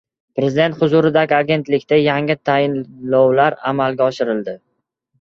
Prezident huzuridagi agentlikda yangi tayinlovlar amalga oshirildi